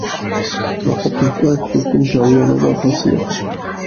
ნაყოფის წვენს სუსტი მჟავიანობა ახასიათებს.